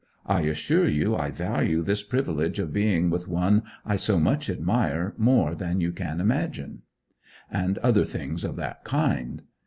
I assure you I value this privilege of being with one I so much admire more than you imagine;' and other things of that kind.